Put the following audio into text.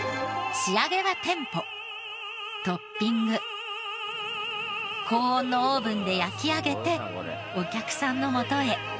トッピング高温のオーブンで焼き上げてお客さんのもとへ。